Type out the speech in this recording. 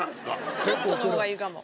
ちょっとの方がいいかも。